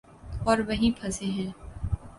اور وہیں پھنسے ہیں۔